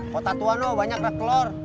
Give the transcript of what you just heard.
kota tua loh banyak kerak telur